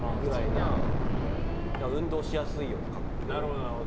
運動しやすいような格好。